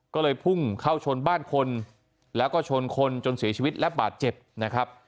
ก็เลยพุ่งเข้าชนบ้านคนแล้วก็ชนคนจนเสียชีวิตและบาดเจ็บนะครับ